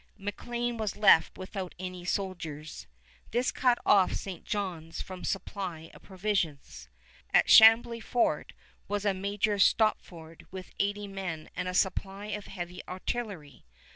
McLean was left without any soldiers. This cut off St. John's from supply of provisions. At Chambly Fort was a Major Stopford with eighty men and a supply of heavy artillery.